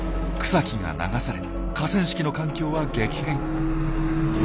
草木が流され河川敷の環境は激変。